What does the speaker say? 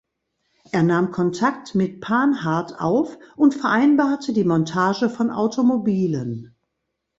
Er nahm Kontakt mit Panhard auf und vereinbarte die Montage von Automobilen.